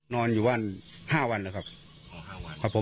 นอนอยู่บ้านห้าวันแหละครับอ๋อห้าวัน